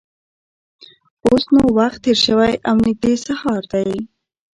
اوس نو وخت تېر شوی او نږدې سهار دی.